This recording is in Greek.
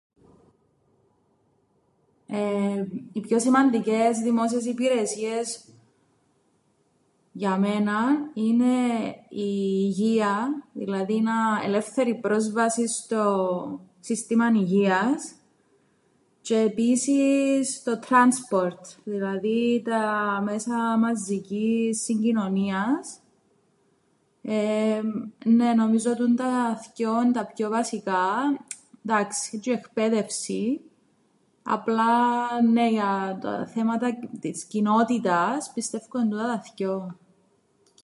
Οι πιο σημαντικές δημόσιες υπηρεσίες για μέναν είναι η υγεία, δηλαδή να... ελεύθερη πρόσβαση στο σύστημαν υγείας, τζ̌αι επίσης το τράνσπορτ, δηλαδή τα μέσα μαζικής συγκοινωνίας, νναι νομίζω τούντα θκυο εν' τα πιο βασικά, ‘ντάξει τζ̌αι η εκπαίδευση, απλά, νναι, για τα θέματα της κοινότητας, πιστεύκω εν' τούτα τα θκυο.